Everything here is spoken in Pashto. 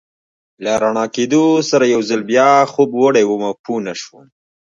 له رڼا کېدو سره یو ځل بیا خوب وړی وم او پوه نه شوم.